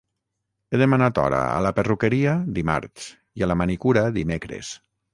He demanat hora a la perruqueria dimarts i a la manicura dimecres.